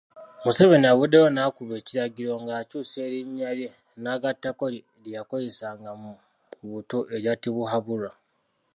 Museveni avuddeyo n'akuba ekiragiro ng'akyusa erinnya lye n'agattako lye yakozesanga mu buto erya Tibuhaburwa.